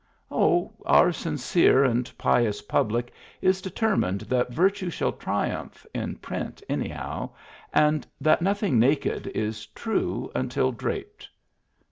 *'" Oh, our sincere and pious public is determined that virtue shall triumph in print, anyhow — and that nothing naked is true until draped."